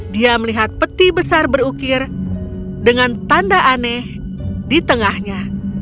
dia melihat peti besar berukir dengan tanda aneh di tengahnya